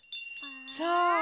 そう！